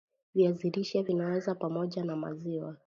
viazi lishe Vinaweza pamoja na maziwa